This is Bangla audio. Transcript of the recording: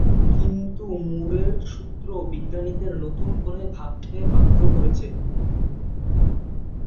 কিন্তু মুরের সূত্র বিজ্ঞানীদের নতুন করে ভাবতে বাধ্য করেছে।